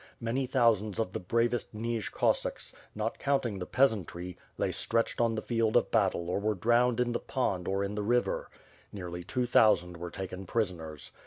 Many thousands of the bravest Nij Cossacks, not counting the peasantry, lay stretched on the field of battle or were drowned in the pond or in the river. Nearly two thousand were taken prisoners.